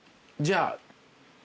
じゃあ。